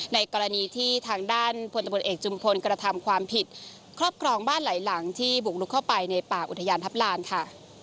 ในกรณีที่ทางด้านพลตำรวจเอกจุมพลกระทำความผิดครอบครองบ้านหลายหลังที่บุกลุกเข้าไปในป่าอุทยานทัพลานค่ะ